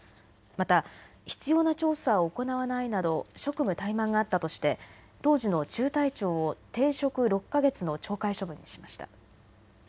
また必要な調査を行わないなど職務怠慢があったとして当時の中隊長を停職６か月の懲戒処分にしました。